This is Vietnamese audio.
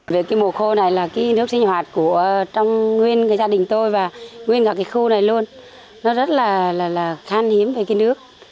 về cái mùa khô này là cái nước sinh hoạt của trong nguyên cái gia đình tôi và nguyên cả cái khu này luôn nó rất là khan hiếm về cái nước